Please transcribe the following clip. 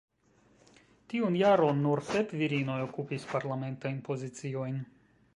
Tiun jaron, nur sep virinoj okupis parlamentajn poziciojn.